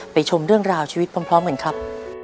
ไปชมเรื่องราวชีวิตพร้อมเหมือนครับ